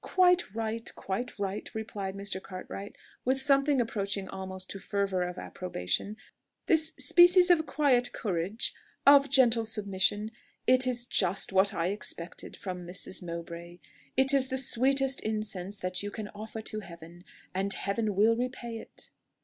"Quite right, quite right," replied Mr. Cartwright, with something approaching almost to fervour of approbation: "this species of quiet courage, of gentle submission, is just what I expected from Mrs. Mowbray. It is the sweetest incense that you can offer to Heaven; and Heaven will repay it."